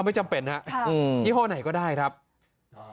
ไม่จำเป็นนะครับยี่ห้อไหนก็ได้ครับค่ะอืม